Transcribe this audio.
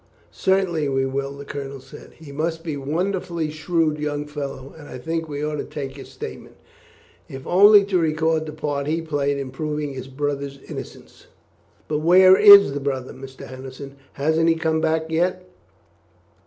"Certainly we will," the Colonel said. "He must be a wonderfully shrewd young fellow, and I think we ought to take his statement, if only to record the part he played in proving his brother's innocence. But where is the brother, Mr. Henderson; hasn't he come back yet?"